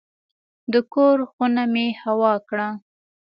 د کور خونه مې هوا کړه.